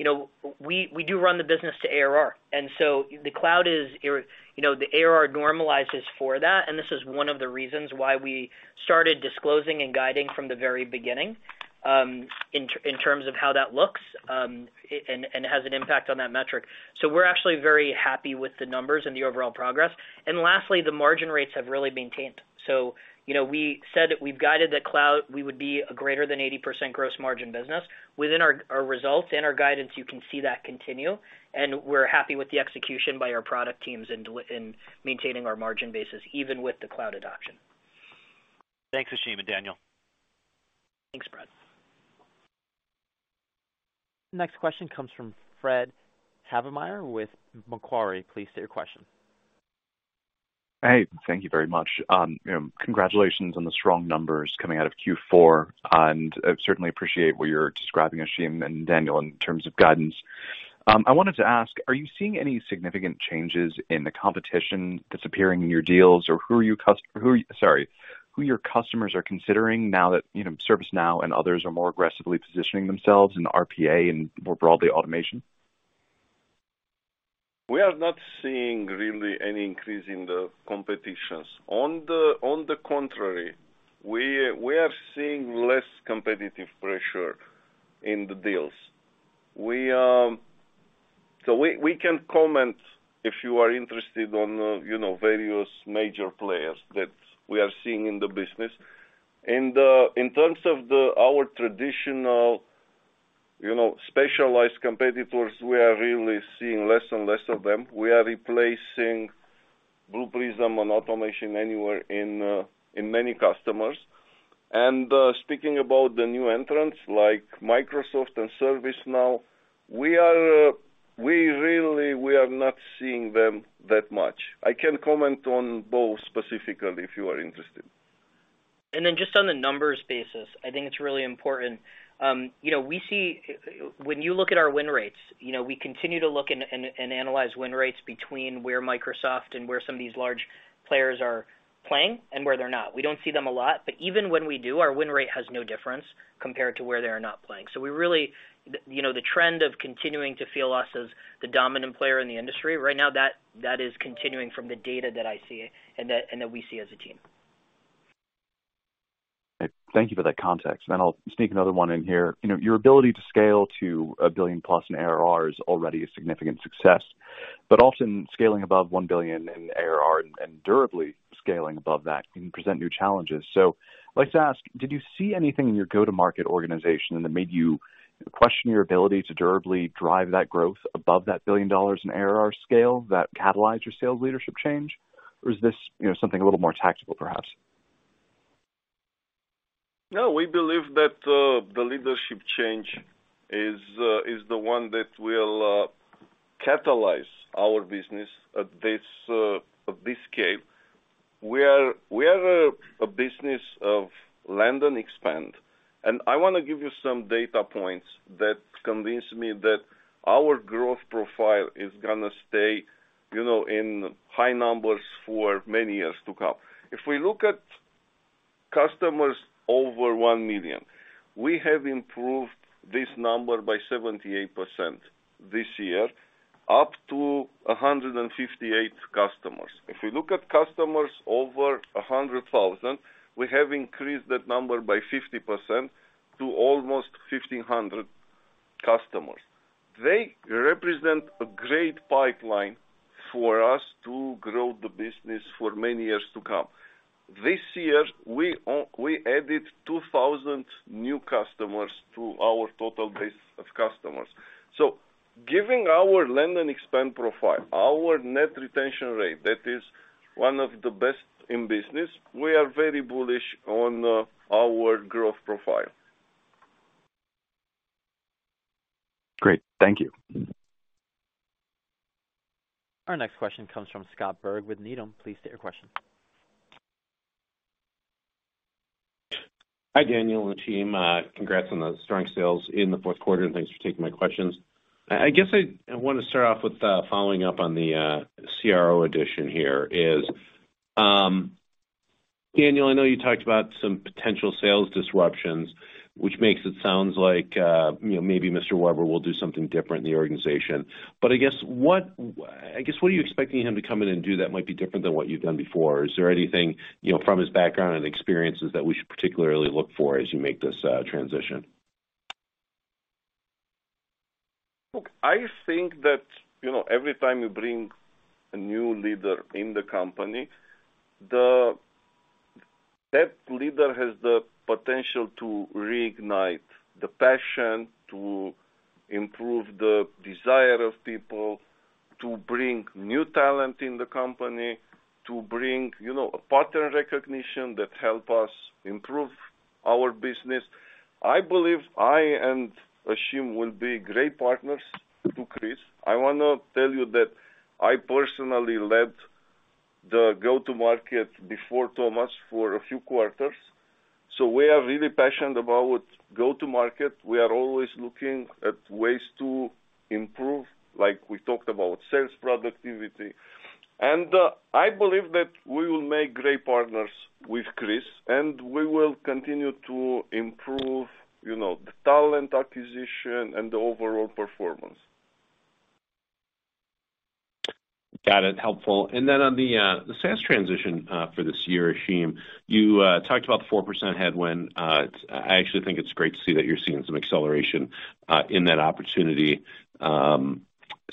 you know, we do run the business to ARR, and so the Cloud is, you know, the ARR normalizes for that, and this is one of the reasons why we started disclosing and guiding from the very beginning, in terms of how that looks, and has an impact on that metric. We're actually very happy with the numbers and the overall progress. Lastly, the margin rates have really been tamed. You know, we said we've guided the Cloud, we would be a greater than 80% gross margin business. Within our results and our guidance, you can see that continue, and we're happy with the execution by our product teams in maintaining our margin basis, even with the Cloud adoption. Thanks, Ashim and Daniel. Thanks, Brad. Next question comes from Fred Havemeyer with Macquarie. Please state your question. Hey, thank you very much. You know, congratulations on the strong numbers coming out of Q4, and I certainly appreciate what you're describing, Ashim and Daniel, in terms of guidance. I wanted to ask, are you seeing any significant changes in the competition that's appearing in your deals or who your customers are considering now that, you know, ServiceNow and others are more aggressively positioning themselves in RPA and more broadly, automation? We are not seeing really any increase in the competition. On the contrary, we are seeing less competitive pressure in the deals. We can comment if you are interested on, you know, various major players that we are seeing in the business. In terms of our traditional, you know, specialized competitors, we are really seeing less and less of them. We are replacing Blue Prism and Automation Anywhere in many customers. Speaking about the new entrants like Microsoft and ServiceNow, I'm not seeing them that much. I can comment on both specifically if you are interested. Just on the numbers basis, I think it's really important. We see, when you look at our win rates, we continue to look and analyze win rates between where Microsoft and where some of these large players are playing and where they're not. We don't see them a lot, but even when we do, our win rate has no difference compared to where they are not playing. We really, the trend of continuing to feel us as the dominant player in the industry right now, that is continuing from the data that I see and that we see as a team. Thank you for that context. Then I'll sneak another one in here. You know, your ability to scale to $1 billion+ in ARR is already a significant success, but often scaling above $1 billion in ARR and durably scaling above that can present new challenges. I'd like to ask, did you see anything in your go-to-market organization that made you question your ability to durably drive that growth above that $1 billion in ARR scale that catalyzed your sales leadership change? Or is this, you know, something a little more tactical, perhaps? No, we believe that the leadership change is the one that will catalyze our business at this scale. We are a business of land and expand, and I want to give you some data points that convince me that our growth profile is going to stay, you know, in high numbers for many years to come. If we look at customers over $1 million, we have improved this number by 78% this year, up to 158 customers. If you look at customers over $100,000, we have increased that number by 50% to almost 1,500 customers. They represent a great pipeline for us to grow the business for many years to come. This year, we added 2,000 new customers to our total base of customers. Given our land and expand profile, our net retention rate that is one of the best in business, we are very bullish on our growth profile. Great. Thank you. Our next question comes from Scott Berg with Needham. Please state your question. Hi, Daniel and the team. Congrats on the strong sales in the fourth quarter, and thanks for taking my questions. I guess I want to start off with following up on the CRO addition here. Daniel, I know you talked about some potential sales disruptions, which makes it sound like you know, maybe Mr. Weber will do something different in the organization. I guess what are you expecting him to come in and do that might be different than what you've done before? Is there anything you know, from his background and experiences that we should particularly look for as you make this transition? Look, I think that, you know, every time you bring a new leader in the company, that leader has the potential to reignite the passion, to improve the desire of people, to bring new talent in the company, to bring, you know, a pattern recognition that help us improve our business. I believe I and Ashim will be great partners to Chris. I want to tell you that I personally led the go-to-market before Thomas for a few quarters, so we are really passionate about go-to-market. We are always looking at ways to improve, like we talked about sales productivity. I believe that we will make great partners with Chris, and we will continue to improve, you know, the talent acquisition and the overall performance. Got it. Helpful. Then on the SaaS transition for this year, Ashim, you talked about the 4% headwind. I actually think it's great to see that you're seeing some acceleration in that opportunity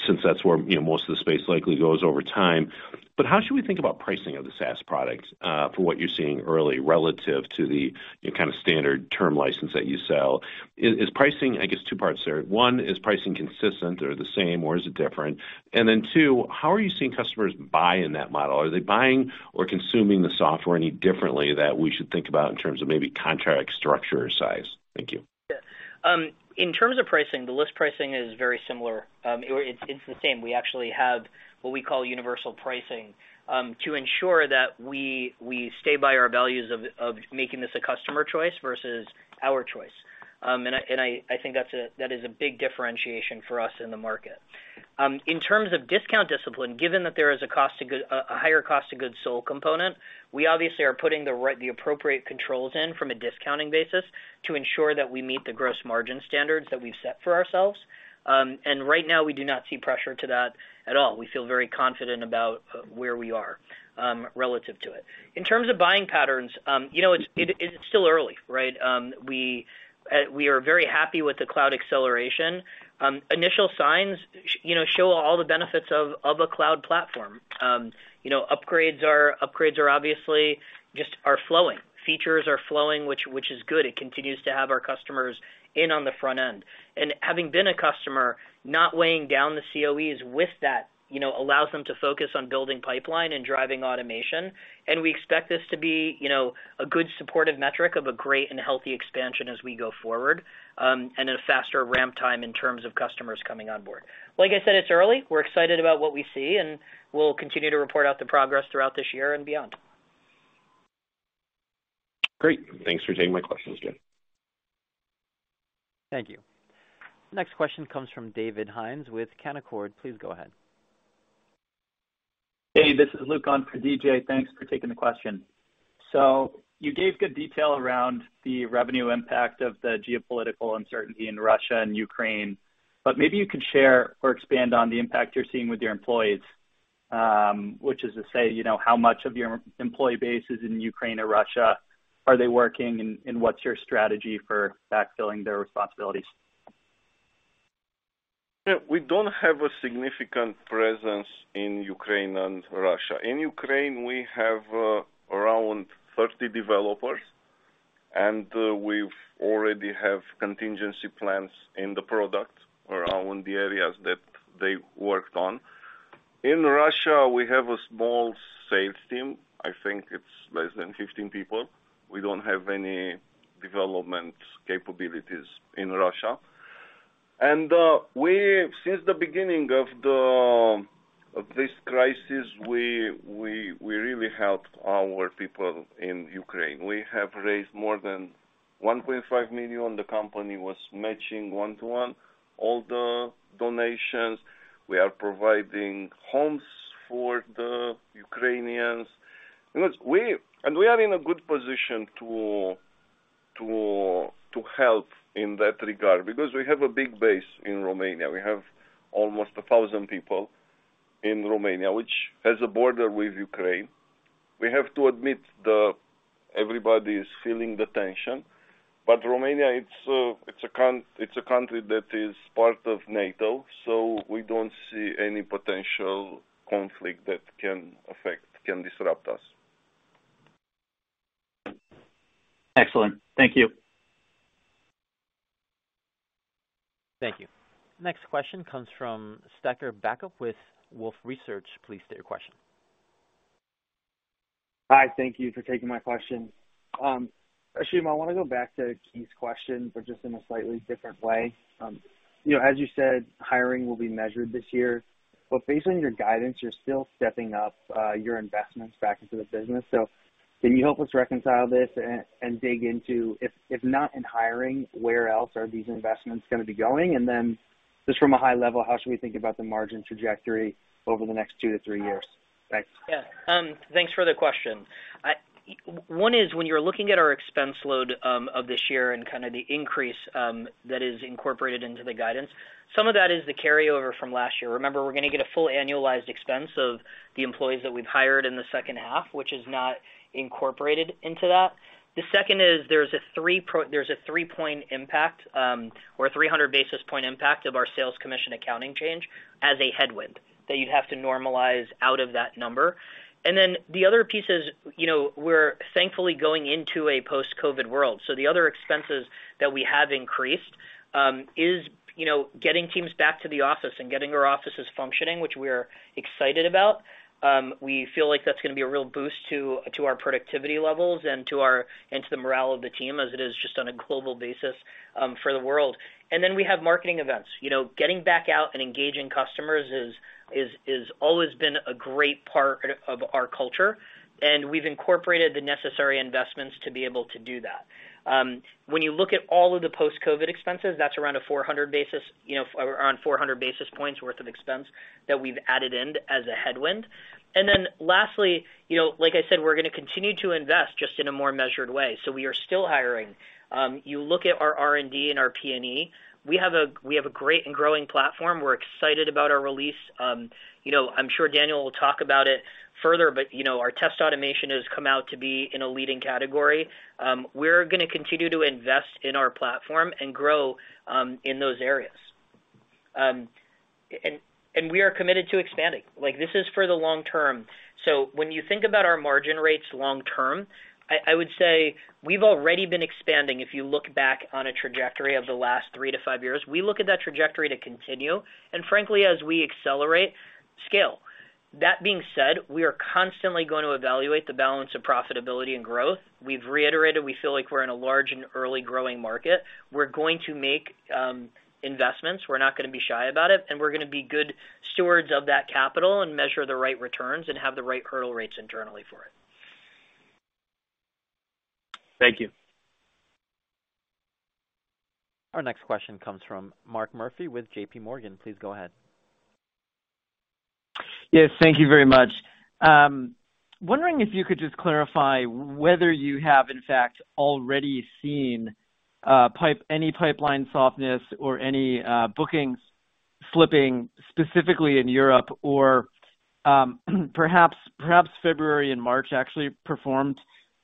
since that's where, you know, most of the space likely goes over time. But how should we think about pricing of the SaaS product from what you're seeing early relative to the kinda standard term license that you sell? Pricing, I guess two parts there. One, is pricing consistent or the same, or is it different? Then two, how are you seeing customers buy in that model? Are they buying or consuming the software any differently that we should think about in terms of maybe contract structure or size? Thank you. Yeah. In terms of pricing, the list pricing is very similar. It's the same. We actually have what we call universal pricing, to ensure that we stay by our values of making this a customer choice versus our choice. I think that is a big differentiation for us in the market. In terms of discount discipline, given that there is a higher cost to goods sold component, we obviously are putting the appropriate controls in from a discounting basis to ensure that we meet the gross margin standards that we've set for ourselves. Right now, we do not see pressure to that at all. We feel very confident about where we are, relative to it. In terms of buying patterns, you know, it is still early, right? We are very happy with the Cloud acceleration. Initial signs, you know, show all the benefits of a Cloud platform. You know, upgrades are obviously just flowing. Features are flowing, which is good. It continues to have our customers in on the front end, having been a customer not weighing down the COEs with that, you know, allows them to focus on building pipeline and driving automation. We expect this to be, you know, a good supportive metric of a great and healthy expansion as we go forward, and a faster ramp time in terms of customers coming on board. Like I said, it's early. We're excited about what we see, and we'll continue to report out the progress throughout this year and beyond. Great. Thanks for taking my questions, Jay. Thank you. Next question comes from David Hynes with Canaccord. Please go ahead. Hey, this is Luke on for DJ. Thanks for taking the question. You gave good detail around the revenue impact of the geopolitical uncertainty in Russia and Ukraine, but maybe you could share or expand on the impact you're seeing with your employees, which is to say, you know, how much of your employee base is in Ukraine or Russia? Are they working? And what's your strategy for backfilling their responsibilities? Yeah, we don't have a significant presence in Ukraine and Russia. In Ukraine, we have around 30 developers, and we've already have contingency plans in the product around the areas that they worked on. In Russia, we have a small sales team. I think it's less than 15 people. We don't have any development capabilities in Russia. Since the beginning of this crisis, we really helped our people in Ukraine. We have raised more than $1.5 million. The company was matching 1-to-1 all the donations. We are providing homes for the Ukrainians because we are in a good position to help in that regard because we have a big base in Romania. We have almost 1,000 people in Romania, which has a border with Ukraine. We have to admit that everybody is feeling the tension. Romania, it's a country that is part of NATO, so we don't see any potential conflict that can affect, disrupt us. Excellent. Thank you. Thank you. Next question comes from Strecker Backe with Wolfe Research. Please state your question. Hi. Thank you for taking my question. Actually, I want to go back to Keith's question, but just in a slightly different way. You know, as you said, hiring will be measured this year, but based on your guidance, you're still stepping up your investments back into the business. Can you help us reconcile this and dig into, if not in hiring, where else are these investments going to be going? Then just from a high level, how should we think about the margin trajectory over the next two to three years? Thanks. Thanks for the question. One is, when you're looking at our expense load of this year and kinda the increase that is incorporated into the guidance, some of that is the carryover from last year. Remember, we're going to get a full annualized expense of the employees that we've hired in the second half, which is not incorporated into that. The second is there's a 3-point impact or 300 basis point impact of our sales commission accounting change as a headwind that you'd have to normalize out of that number. Then the other piece is, you know, we're thankfully going into a post-COVID-19 world. The other expenses that we have increased is, you know, getting teams back to the office and getting our offices functioning, which we're excited about. We feel like that's going to be a real boost to our productivity levels and to the morale of the team as it is just on a global basis for the world. We have marketing events. You know, getting back out and engaging customers is always been a great part of our culture, and we've incorporated the necessary investments to be able to do that. When you look at all of the post-COVID-19 expenses, that's around 400 basis points worth of expense that we've added in as a headwind. Lastly, you know, like I said, we're going to continue to invest just in a more measured way, so we are still hiring. You look at our R&D and our P&E, we have a great and growing platform. We're excited about our release. You know, I'm sure Daniel will talk about it further, but you know, our test automation has come out to be in a leading category. We're going to continue to invest in our platform and grow in those areas. We are committed to expanding. Like, this is for the long term. When you think about our margin rates long term, I would say we've already been expanding if you look back on a trajectory of the last three to five years. We look at that trajectory to continue and frankly, as we accelerate, scale. That being said, we are constantly going to evaluate the balance of profitability and growth. We've reiterated we feel like we're in a large and early growing market. We're going to make investments. We're not going to be shy about it, and we're going to be good stewards of that capital and measure the right returns and have the right hurdle rates internally for it. Thank you. Our next question comes from Mark Murphy with JPMorgan. Please go ahead. Yes, thank you very much. Wondering if you could just clarify whether you have in fact already seen any pipeline softness or any bookings slipping specifically in Europe or perhaps February and March actually performed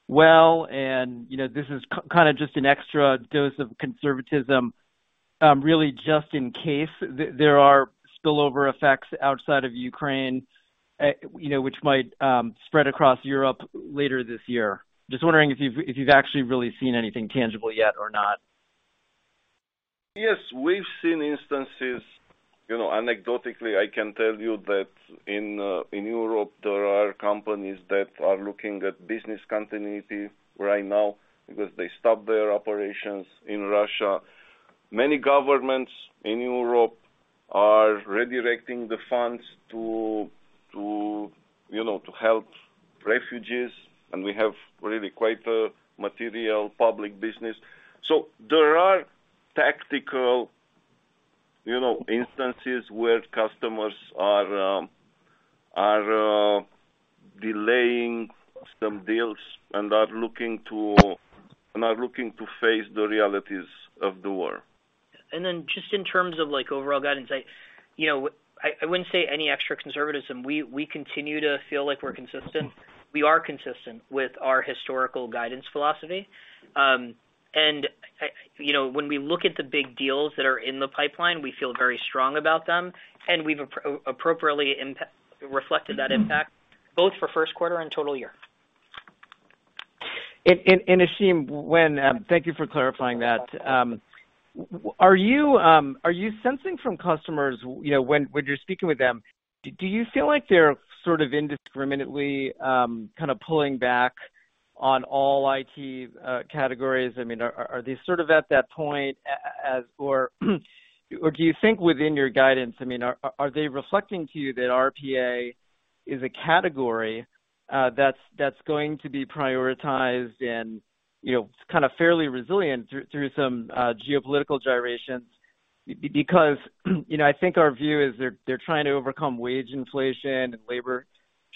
well and, you know, this is kind of just an extra dose of conservatism, really just in case there are spillover effects outside of Ukraine, you know, which might spread across Europe later this year. Just wondering if you've actually really seen anything tangible yet or not. Yes, we've seen instances. You know, anecdotally, I can tell you that in Europe, there are companies that are looking at business continuity right now because they stopped their operations in Russia. Many governments in Europe are redirecting the funds to, you know, to help refugees, and we have really quite a material public business. So there are tactical, you know, instances where customers are delaying some deals and are looking to face the realities of the war. Just in terms of, like, overall guidance, you know, I wouldn't say any extra conservatism. We continue to feel like we're consistent. We are consistent with our historical guidance philosophy. You know, when we look at the big deals that are in the pipeline, we feel very strong about them, and we've appropriately reflected that impact both for first quarter and total year. Thank you for clarifying that. Are you sensing from customers, you know, when you're speaking with them, do you feel like they're sort of indiscriminately kind of pulling back on all IT categories? I mean, are they sort of at that point or do you think within your guidance, I mean, are they reflecting to you that RPA is a category that's going to be prioritized and, you know, kind of fairly resilient through some geopolitical gyrations? Because, you know, I think our view is they're trying to overcome wage inflation and labor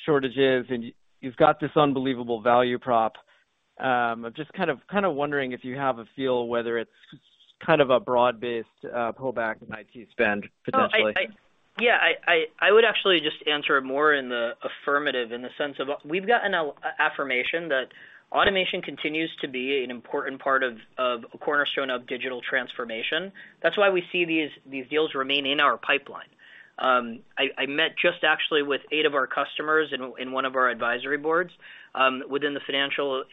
shortages, and you've got this unbelievable value prop. I'm just kind of wondering if you have a feel whether it's kind of a broad-based pullback in IT spend potentially. Yeah. I would actually just answer it more in the affirmative in the sense of we've gotten affirmation that automation continues to be an important part of a cornerstone of digital transformation. That's why we see these deals remain in our pipeline. I met just actually with eight of our customers in one of our advisory boards within the financial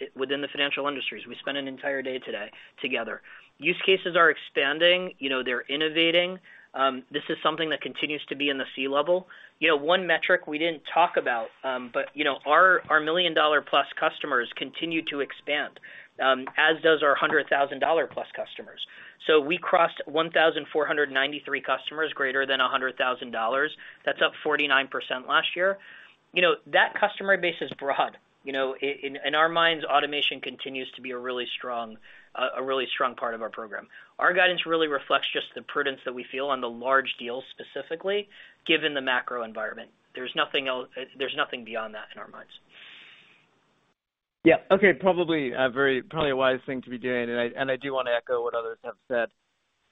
industries. We spent an entire day today together. Use cases are expanding. You know, they're innovating. This is something that continues to be in the C-level. You know, one metric we didn't talk about, but our $1 million-plus customers continue to expand, as does our $100,000-plus customers. We crossed 1,493 customers greater than $100,000. That's up 49% last year. You know, that customer base is broad. You know, in our minds, automation continues to be a really strong part of our program. Our guidance really reflects just the prudence that we feel on the large deals, specifically, given the macro environment. There's nothing beyond that in our minds. Yeah. Okay. Probably a wise thing to be doing, and I do want to echo what others have said.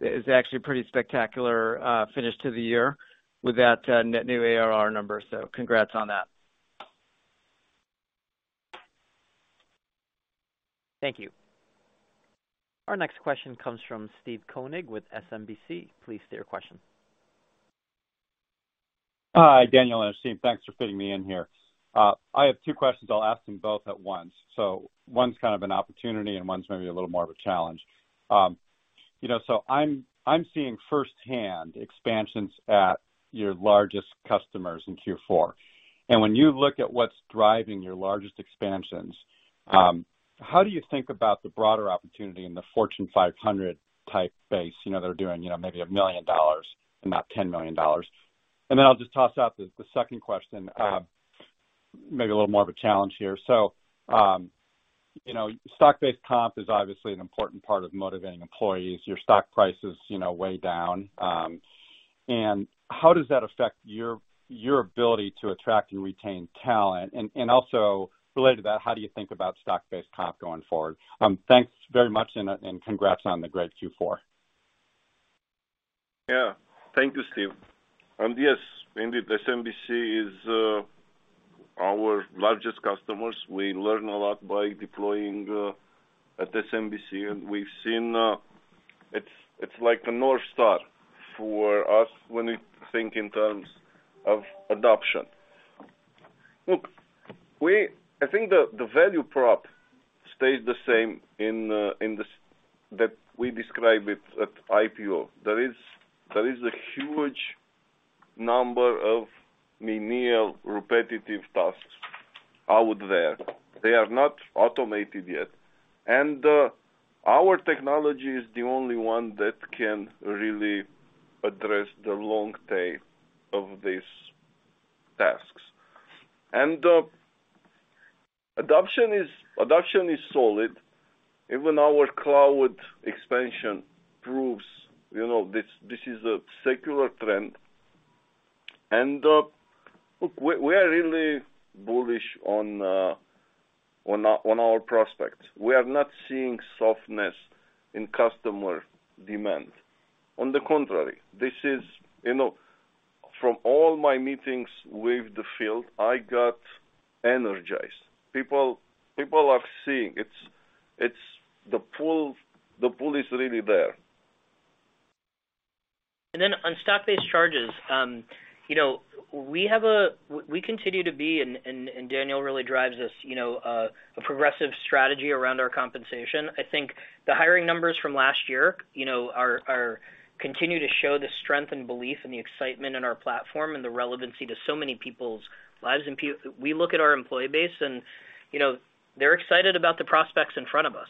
It's actually pretty spectacular finish to the year with that net new ARR number, so congrats on that. Thank you. Our next question comes from Steven Koenig with SMBC. Please state your question. Hi, Daniel and Ashim. Thanks for fitting me in here. I have two questions. I'll ask them both at once. One's kind of an opportunity, and one's maybe a little more of a challenge. You know, I'm seeing firsthand expansions at your largest customers in Q4. When you look at what's driving your largest expansions, how do you think about the broader opportunity in the Fortune 500 type base? You know, they're doing, you know, maybe $1 million and not $10 million. I'll just toss out the second question, maybe a little more of a challenge here. You know, stock-based comp is obviously an important part of motivating employees. Your stock price is, you know, way down. How does that affect your ability to attract and retain talent? also related to that, how do you think about stock-based comp going forward? Thanks very much and congrats on the great Q4. Yeah. Thank you, Steve. Yes, indeed, SMBC is our largest customers. We learn a lot by deploying at SMBC, and we've seen it's like a north star for us when we think in terms of adoption. Look, I think the value prop stays the same in that we describe it at IPO. There is a huge number of menial, repetitive tasks out there. They are not automated yet. Our technology is the only one that can really address the long tail of these tasks. Adoption is solid. Even our Cloud expansion proves you know this is a secular trend. Look, we are really bullish on our prospects. We are not seeing softness in customer demand. On the contrary, this is you know. From all my meetings with the field, I got energized. People are seeing. It's the pull is really there. Then on stock-based compensation, you know, we continue to be, and Daniel really drives this, you know, a progressive strategy around our compensation. I think the hiring numbers from last year, you know, continue to show the strength and belief and the excitement in our platform and the relevancy to so many people's lives. We look at our employee base and, you know, they're excited about the prospects in front of us.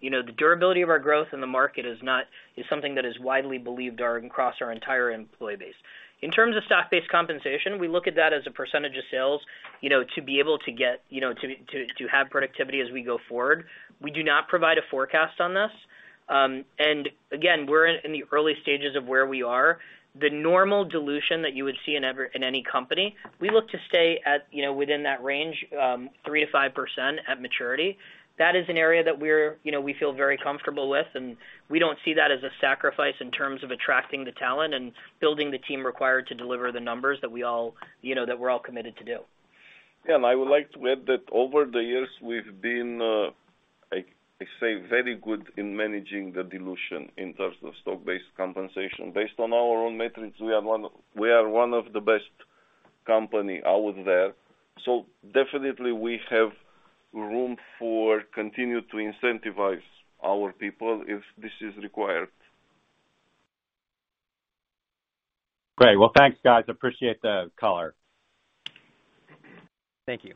You know, the durability of our growth in the market is something that is widely believed across our entire employee base. In terms of stock-based compensation, we look at that as a percentage of sales, you know, to be able to get, you know, to have productivity as we go forward. We do not provide a forecast on this. Again, we're in the early stages of where we are. The normal dilution that you would see in any company, we look to stay at, you know, within that range, 3%-5% at maturity. That is an area that we're, you know, we feel very comfortable with, and we don't see that as a sacrifice in terms of attracting the talent and building the team required to deliver the numbers that we all, you know, we're all committed to do. Yeah. I would like to add that over the years, we've been I say very good in managing the dilution in terms of stock-based compensation. Based on our own metrics, we are one of the best company out there. Definitely we have room for continue to incentivize our people if this is required. Great. Well, thanks, guys. Appreciate the color. Thank you.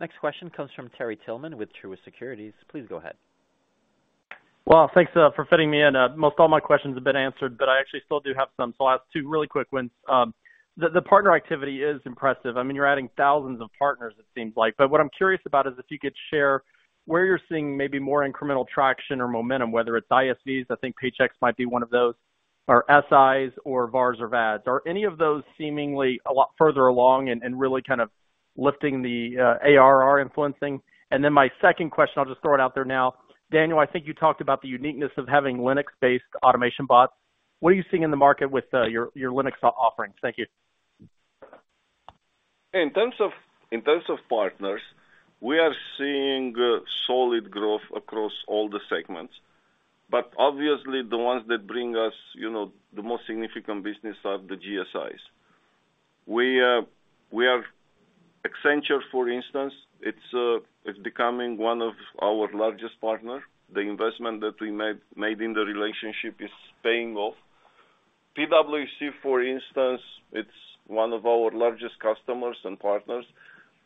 Next question comes from Terry Tillman with Truist Securities. Please go ahead. Well, thanks for fitting me in. Most all my questions have been answered, but I actually still do have some, so I'll ask two really quick ones. The partner activity is impressive. I mean, you're adding thousands of partners, it seems like. But what I'm curious about is if you could share where you're seeing maybe more incremental traction or momentum, whether it's ISVs, I think Paychex might be one of those, or SIs or VARs or VADs. Are any of those seemingly a lot further along and really kind of lifting the ARR influencing? Then my second question, I'll just throw it out there now. Daniel, I think you talked about the uniqueness of having Linux-based automation bots. What are you seeing in the market with your Linux offerings? Thank you. In terms of partners, we are seeing solid growth across all the segments. Obviously, the ones that bring us, you know, the most significant business are the GSIs. We have Accenture, for instance. It's becoming one of our largest partner. The investment that we made in the relationship is paying off. PwC, for instance, it's one of our largest customers and partners.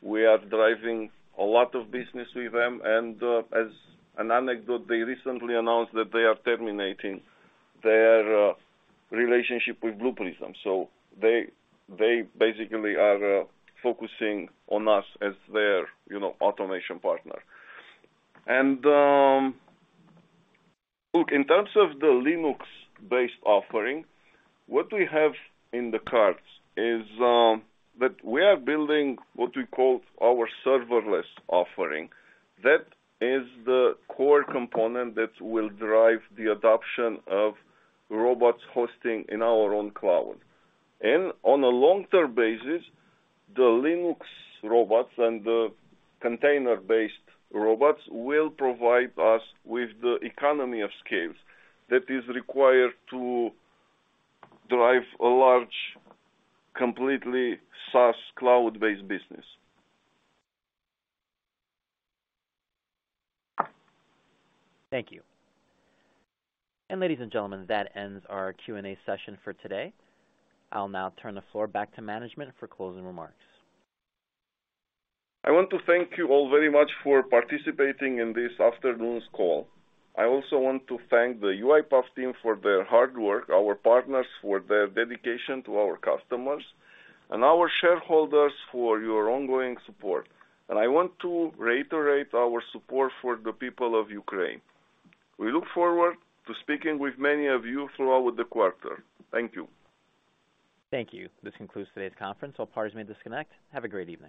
We are driving a lot of business with them. As an anecdote, they recently announced that they are terminating their relationship with Blue Prism. They basically are focusing on us as their, you know, automation partner. Look, in terms of the Linux-based offering, what we have in the cards is that we are building what we call our serverless offering. That is the core component that will drive the adoption of robots hosting in our own Cloud. On a long-term basis, the Linux robots and the container-based robots will provide us with the economies of scale that is required to drive a large, completely SaaS Cloud-based business. Thank you. Ladies and gentlemen, that ends our Q&A session for today. I'll now turn the floor back to management for closing remarks. I want to thank you all very much for participating in this afternoon's call. I also want to thank the UiPath team for their hard work, our partners for their dedication to our customers, and our shareholders for your ongoing support. I want to reiterate our support for the people of Ukraine. We look forward to speaking with many of you throughout the quarter. Thank you. Thank you. This concludes today's conference. All parties may disconnect. Have a great evening.